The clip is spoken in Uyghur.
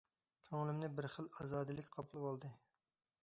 كۆڭلۈمنى بىر خىل ئازادىلىك قاپلىۋالدى.